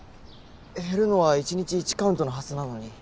減るのは一日１カウントのはずなのに。